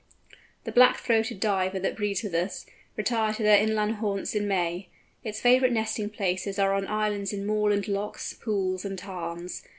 The Black throated Divers that breed with us, retire to their inland haunts in May. Its favourite nesting places are on islands in moorland lochs, pools, and tarns.